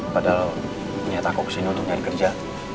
padahal niat aku ke sini untuk nyari kerja